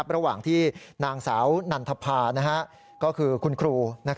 ระหว่างที่นางสาวนันทภาก็คือคุณครู